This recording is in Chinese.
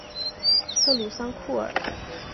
特鲁桑库尔。